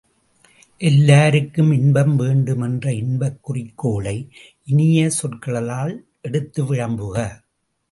எல்லாருக்கும் இன்பம் வேண்டும் என்ற இன்பக் குறிக்கோளை இனிய சொற்களால் எடுத்து விளம்புக!